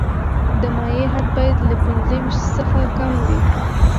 د مایع حد باید له پنځه ویشت څخه کم وي